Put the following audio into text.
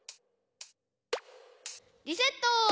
リセット！